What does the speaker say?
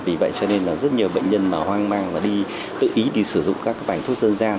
vì vậy cho nên rất nhiều bệnh nhân hoang mang và tự ý đi sử dụng các bài thuốc dân gian